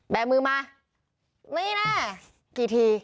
แบบมือมานี่แหละกี่ที